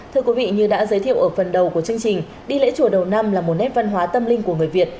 thưa quý vị như đã giới thiệu ở phần đầu của chương trình đi lễ chùa đầu năm là một nét văn hóa tâm linh của người việt